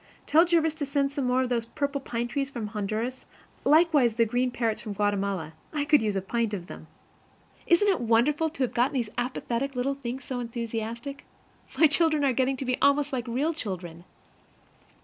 Tell Jervis to send us some more of those purple pine trees from Honduras; likewise some green parrots from Guatemala. I could use a pint of them! Isn't it wonderful to have got these apathetic little things so enthusiastic? My children are getting to be almost like real children.